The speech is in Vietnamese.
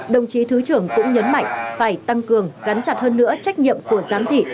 đồng chí thứ trưởng cũng nhấn mạnh phải tăng cường gắn chặt hơn nữa trách nhiệm của giám thị